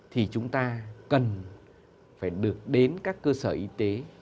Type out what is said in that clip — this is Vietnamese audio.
thì chúng ta cần phải được đến các cơ sở y tế